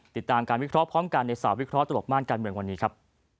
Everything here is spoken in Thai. ติดตามการวิเคราะห์พร้อมกันในสาววิเคราะหลบม่านการเมืองวันนี้ครับ